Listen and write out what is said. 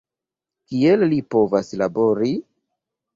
Kiel li povas labori?